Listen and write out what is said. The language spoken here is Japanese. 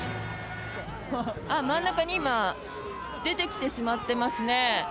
真ん中に今、出てきてしまってますね。